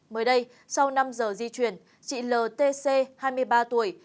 mới đây sau năm giờ di chuyển chị ltc hai mươi ba tuổi